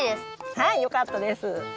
はいよかったです。